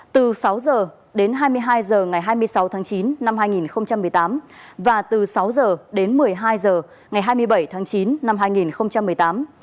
từ sáu h đến hai mươi hai h ngày hai mươi sáu tháng chín năm hai nghìn một mươi tám và từ sáu h đến một mươi hai h ngày hai mươi bảy tháng chín năm hai nghìn một mươi tám